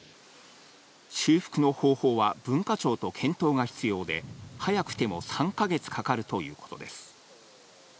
修復の方法は文化庁と検討が必要で、早くても３か月かかるということです。